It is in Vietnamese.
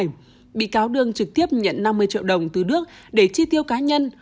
với hành vi này bị cáo đương trực tiếp nhận năm mươi triệu đồng từ đức để chi tiêu cá nhân